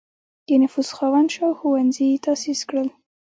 د نفوذ خاوند شو او ښوونځي یې تأسیس کړل.